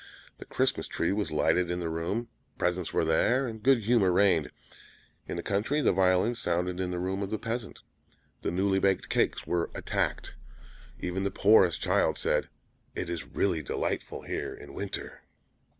The Christmas tree was lighted in the room; presents were there, and good humor reigned. In the country the violin sounded in the room of the peasant; the newly baked cakes were attacked; even the poorest child said, "It is really delightful here in winter!"